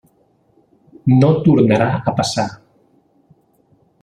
No tornarà a passar.